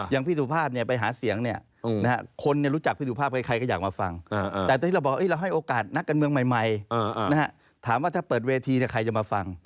อย่างพี่สุภาพไปหาเสียงเนี่ยคนรู้จักพี่สุภาพใครก็อยากมาฟังแต่ที่เราบอกเราให้โอกาสนักการเมืองใหม่ถามว่าถ้าเปิดเวทีใครจะมาฟัง